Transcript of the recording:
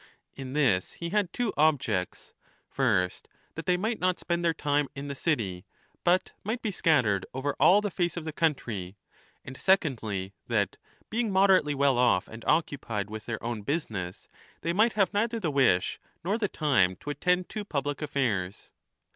In this he had two objects, first that they might not spend their time in the city but might be scattered over all the face of the country, and secondly that, being moderately well off and occupied with their own business, they might have neither the wish nor the time to attend to public affairs.